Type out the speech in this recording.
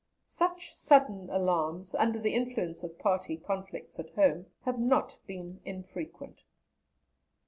(Such sudden alarms, under the influence of party conflicts at home, have not been infrequent.)